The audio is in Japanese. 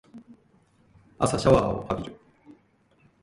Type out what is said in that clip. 朝シャワーを浴びる